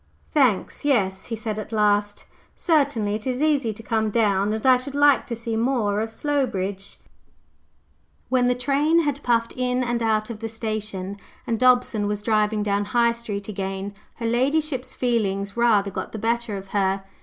"Thanks, yes," he said at last. "Certainly. It is easy to come down, and I should like to see more of Slowbridge." When the train had puffed in and out of the station, and Dobson was driving down High Street again, her ladyship's feelings rather got the better of her.